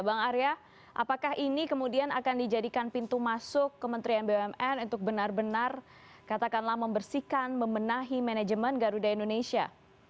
bang arya apakah ini kemudian akan dijadikan pintu masuk kementerian bumn untuk benar benar katakanlah membersihkan membenahi manajemen garuda indonesia